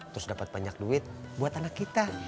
terus dapat banyak duit buat anak kita